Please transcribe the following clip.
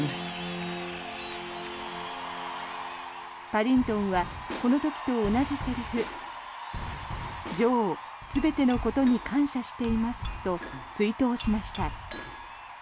パディントンはこの時と同じセリフ女王、全てのことに感謝していますと追悼しました。